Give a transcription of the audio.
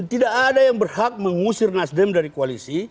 tidak ada yang berhak mengusir nasdem dari koalisi